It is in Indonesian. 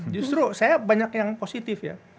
justru saya banyak yang positif ya